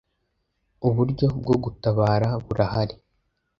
Uburyo bwo gutabara burahari.